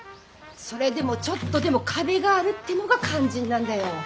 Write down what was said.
それでもちょっとでも壁があるってのが肝心なんだよ。